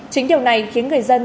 chính điều này khiến người dân